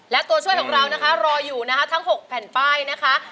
และตัวช่วยของเรานะคะรออยู่นะคะทั้ง๖แผ่นป้ายนะคะ